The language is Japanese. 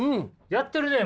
やってるね！